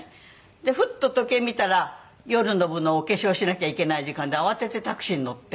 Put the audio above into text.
でふっと時計見たら夜の部のお化粧しなきゃいけない時間で慌ててタクシーに乗って。